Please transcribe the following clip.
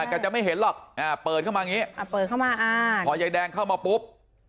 ก็จะไม่เห็นหรอกเปิดเข้ามาอย่างนี้พอใยแดงเข้ามาปุ๊บ